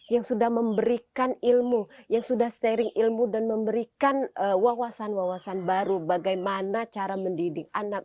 yang sudah memberikan ilmu yang sudah sharing ilmu dan memberikan wawasan wawasan baru bagaimana cara mendidik anak